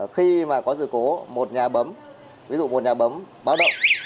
khi có dự cố một nhà bấm ví dụ một nhà bấm báo động